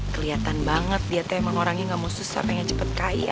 kelihatan banget dia temen orangnya nggak mau susah pengen cepet kaya